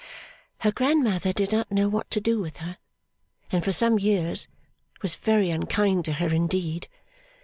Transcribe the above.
' Her grandmother did not know what to do with her, and for some years was very unkind to her indeed.